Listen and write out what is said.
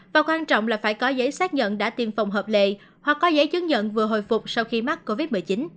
và quan trọng là phải có giấy xác nhận đã tiêm phòng hợp lệ hoặc có giấy chứng nhận vừa hồi phục sau khi mắc covid một mươi chín